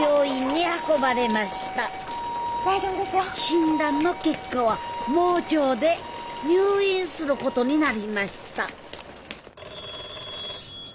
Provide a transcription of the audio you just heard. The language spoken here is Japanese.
診断の結果は盲腸で入院することになりました